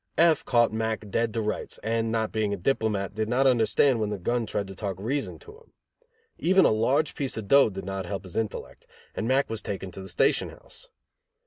F caught Mack dead to rights, and, not being a diplomat, did not understand when the gun tried to talk reason to him. Even a large piece of dough did not help his intellect, and Mack was taken to the station house.